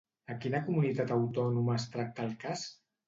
A quina comunitat autònoma es tracta el cas?